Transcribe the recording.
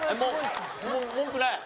文句ない？